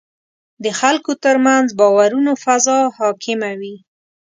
د خلکو ترمنځ باورونو فضا حاکمه وي.